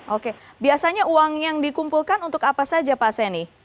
oke biasanya uang yang dikumpulkan untuk apa saja pak seni